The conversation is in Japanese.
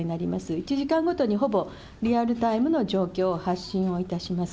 １時間ごとにほぼリアルタイムの状況を発信をいたします。